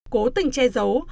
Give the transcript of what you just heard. cố tình che giấu